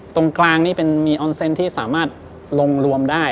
ตรงกลางนี่เป็นมีออนเซนต์ที่สามารถลงรวมได้